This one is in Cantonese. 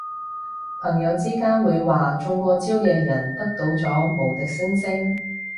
朋友之間會話中過招嘅人得到咗無敵星星